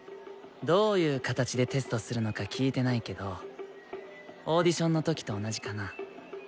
どういう形でテストするのか聞いてないけどオーディションの時と同じかな？